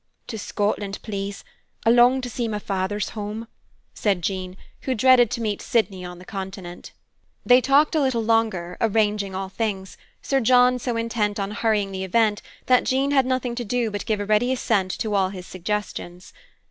"To Scotland, please. I long to see my father's home," said Jean, who dreaded to meet Sydney on the continent. They talked a little longer, arranging all things, Sir John so intent on hurrying the event that Jean had nothing to do but give a ready assent to all his suggestions.